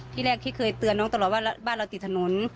ที่แรกที่เคยเตือนน้องตลอดว่าบ้านเราติดถนน